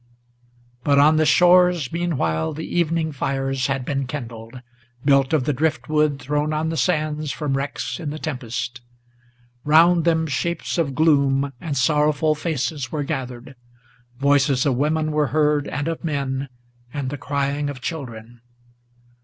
But on the shores meanwhile the evening fires had been kindled, Built of the drift wood thrown on the sands from wrecks in the tempest. Round them shapes of gloom and sorrowful faces were gathered, Voices of women were heard, and of men, and the crying of children.